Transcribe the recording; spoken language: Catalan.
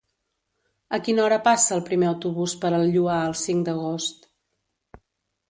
A quina hora passa el primer autobús per el Lloar el cinc d'agost?